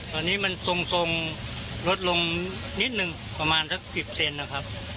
ตอนนี้มันทรงลดลงนิดนึงประมาณสัก๑๐เซนนะครับ